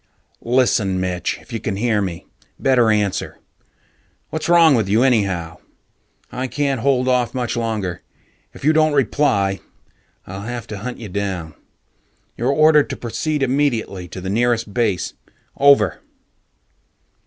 "Listen, Mitch if you can hear me, better answer. What's wrong with you anyhow? I can't hold off much longer. If you don't reply, I'll have to hunt you down. You're ordered to proceed immediately to the nearest base. Over."